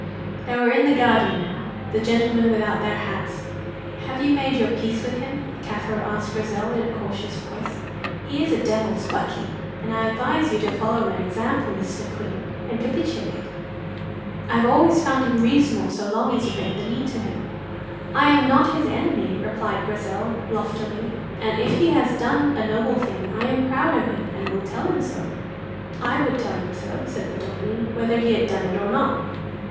They were in the garden now, the gentlemen without their hats. "Have you made your peace with him?" Cathro asked Grizel, in a cautious voice. "He is a devil's buckie, and I advise you to follow my example, Miss McQueen, and capitulate. I have always found him reasonable so long as you bend the knee to him." "I am not his enemy," replied Grizel, loftily, "and if he has done a noble thing I am proud of him and will tell him so." "I would tell him so," said the Dominie, "whether he had done it or not."